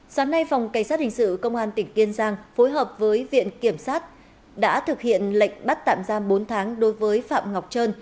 sáng nay phòng cảnh sát hình sự công an tỉnh kiên giang phối hợp với viện kiểm sát đã thực hiện lệnh bắt tạm giam bốn tháng đối với phạm ngọc trơn